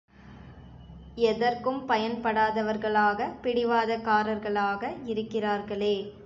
எதற்கும் பயன்படாதவர்களாக பிடிவாதக்காரர்களாக இருக்கிறார்களே!